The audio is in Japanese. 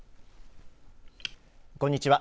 こんにちは。